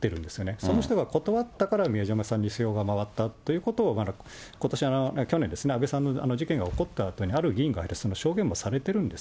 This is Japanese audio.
その人が断ったから宮島さんに票が回ったってことし、去年ですね、安倍さんの事件が起こったあとに、ある議員が証言もされているんです。